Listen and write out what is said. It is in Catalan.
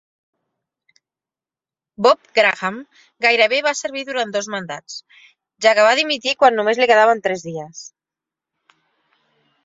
Bob Graham gairebé va servir durant dos mandats, ja que va dimitir quan només li quedaven tres dies.